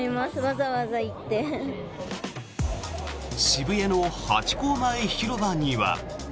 渋谷のハチ公前広場には。